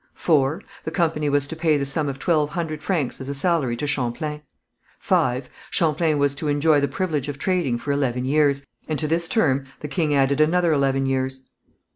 4. The company was to pay the sum of twelve hundred francs as a salary to Champlain. 5. Champlain was to enjoy the privilege of trading for eleven years, and to this term the king added another eleven years.